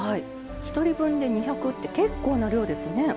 １人分で２００って結構な量ですね。